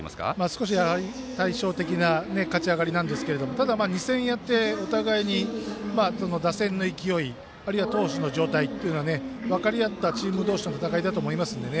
少し、対照的な勝ち上がりなんですけどもただ、２戦やってお互いに打線の勢いあるいは投手の状態というのは分かりあったチーム同士の戦いだと思いますので。